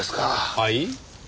はい？